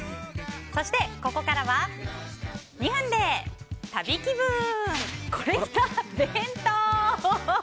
そして、ここからは２分で旅気分！